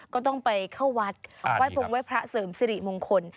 ก็ต้องไปเข้าวัดไหว้พงไว้พระเสริมสิริมงคล